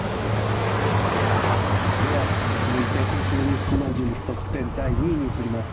では、続いて今週のニュース気になる人物トップ１０第２位に移ります。